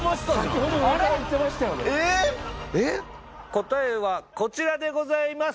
答えはこちらでございます！